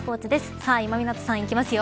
さあ今湊さんいきますよ。